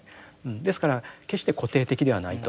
ですから決して固定的ではないと。